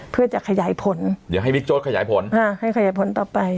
เพื่อจะขยายผลเดี๋ยวให้บิ๊กโจ๊กขยายผลอ่าให้ขยายผลต่อไป